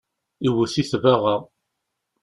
Iwwet-it baɣa.